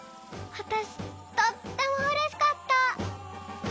わたしとってもうれしかった。